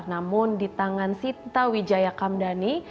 namun di tangan sita wijaya kamdani